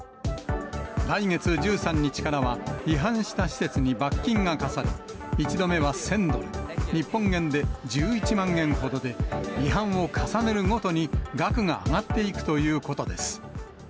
来月１３日からは、違反した施設に罰金が科され、１度目は１０００ドル、日本円で１１万円ほどで、違反を重ねるごとに額が上がっていくということです。